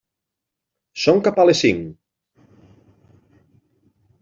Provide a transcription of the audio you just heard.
Són cap a les cinc.